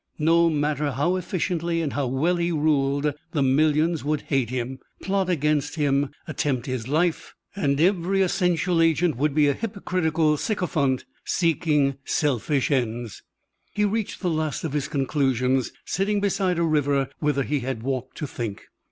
No matter how efficiently and well he ruled, the millions would hate him, plot against him, attempt his life; and every essential agent would be a hypocritical sycophant seeking selfish ends. He reached the last of his conclusions sitting beside a river whither he had walked to think.